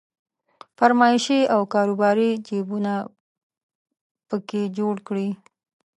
فرمایشي او کاروباري جيبونه په کې جوړ کړي.